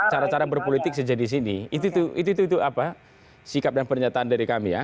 cara cara berpolitik sejati sini itu itu apa sikap dan pernyataan dari kami ya